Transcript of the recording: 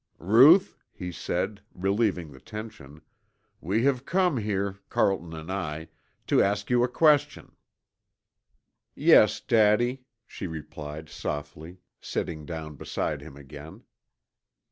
"Ruth," he said, relieving the tension, "we have come here, Carlton and I, to ask you a question." "Yes, Daddy," she replied, softly, sitting down beside him again.